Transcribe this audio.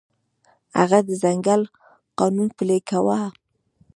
هغه د ځنګل قانون پلی کاوه.